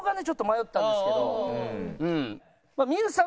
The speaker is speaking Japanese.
ちょっと迷ったんですけど。